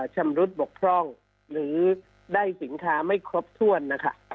ชำรุดบกพร่องหรือได้สินค้าไม่ครบถ้วนนะคะ